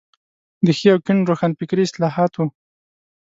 د ښي او کيڼ روښانفکري اصطلاحات وو.